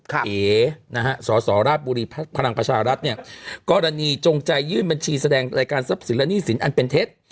เอ๋นะฮะสสราชบุรีพลังประชารัฐเนี่ยกรณีจงใจยื่นบัญชีแสดงรายการทรัพย์สินและหนี้สินอันเป็นเท็จ